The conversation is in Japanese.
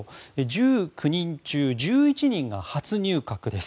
１９人中１１人が初入閣です。